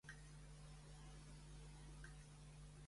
Josep Faus i Pascuchi és un enginyer nascut a Barcelona.